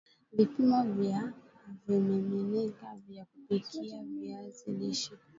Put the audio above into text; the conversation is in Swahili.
Vipimo vya vimiminika vya kupikia viazi lishe